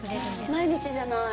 毎日じゃない。